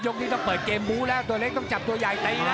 นี้ต้องเปิดเกมบู้แล้วตัวเล็กต้องจับตัวใหญ่ตีนะ